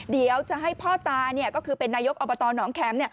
เดี๋ยวจะให้พ่อตาก็คือเป็นนายกอบตหนองแคมป์